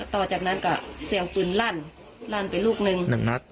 ต่อจากนั้นก็เสียงปืนลั่นลั่นไปลูกนึง